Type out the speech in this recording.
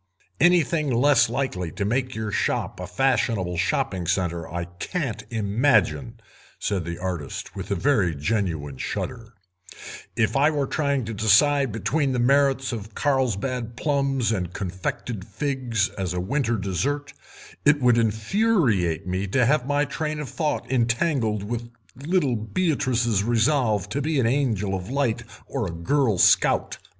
"Anything less likely to make your shop a fashionable shopping centre I can't imagine," said the artist, with a very genuine shudder; "if I were trying to decide between the merits of Carlsbad plums and confected figs as a winter dessert it would infuriate me to have my train of thought entangled with little Beatrice's resolve to be an Angel of Light or a girl scout.